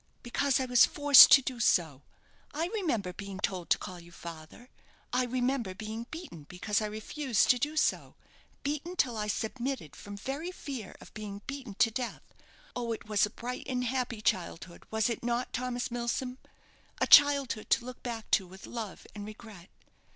"Because I was forced to do so. I remember being told to call you father. I remember being beaten because I refused to do so beaten till I submitted from very fear of being beaten to death. Oh, it was a bright and happy childhood, was it not, Thomas Milsom? A childhood to look back to with love and regret.